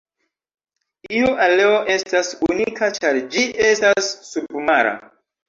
Iu aleo estas unika ĉar ĝi estas submara.